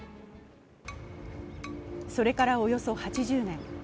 それからおよそ８０年。